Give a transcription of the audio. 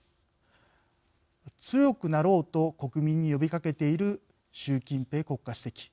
強くなろうと国民に呼びかけている習近平国家主席。